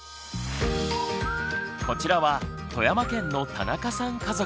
こちらは富山県の田中さん家族。